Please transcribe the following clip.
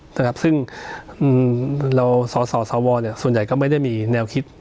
สถาบันพ่อสห์สห์วส่วนใหญ่ก็ไม่ได้มีแนวคิด